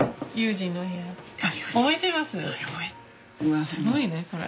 うわすごいねこれ。